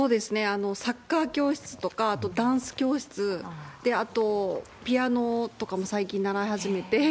サッカー教室とか、あとダンス教室、あとピアノとかも最近習い始めて。